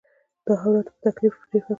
دا هم راته په ډېر تکلیف پیدا شو.